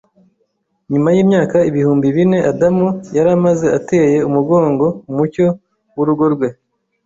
nyuma y’imyaka ibihumbi bine Adamu yari amaze ateye umugongo umucyo w’urugo rwe